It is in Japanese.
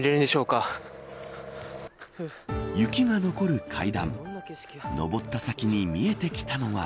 雪が残る階段上った先に見えてきたのは。